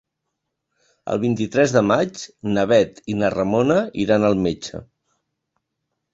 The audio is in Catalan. El vint-i-tres de maig na Bet i na Ramona iran al metge.